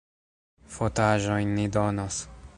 Fotaĵojn ni donos.